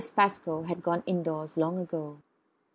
Pascoe had gone indoors long ago.